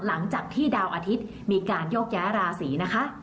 หลังจากที่ดาวอาทิตย์มีการโยกย้ายราศีนะคะ